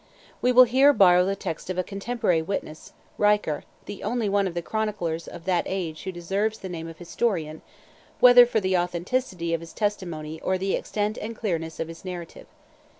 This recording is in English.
We will here borrow the text of a contemporary witness, Richer, the only one of the chroniclers of that age who deserves the name of historian, whether for the authenticity of his testimony or the extent and clearness of his narrative.